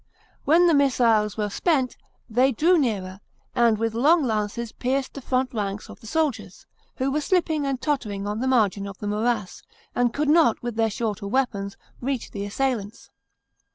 When the missiles were spent, they drew nearer, and with long lances pierced the front ranks of the soldiers, who were slipping and tottering on the margin of the morass, and could not with their shorter weapons reach the assailants.